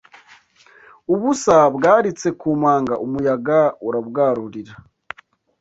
Ubusa bwaritse ku manga umuyaga urabwarurira